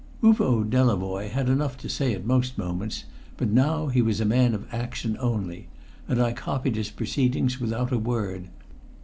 Uvo Delavoye had enough to say at most moments, but now he was a man of action only, and I copied his proceedings without a word.